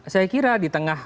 saya kira di tengah